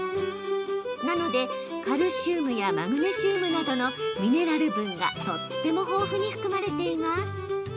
なので、カルシウムやマグネシウムなどのミネラル分がとっても豊富に含まれています。